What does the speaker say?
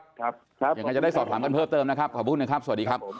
ครับขอบคุณครับสวัสดีครับอย่างไรจะได้สอบถามกันเพิ่มเติมนะครับขอบคุณครับสวัสดีครับ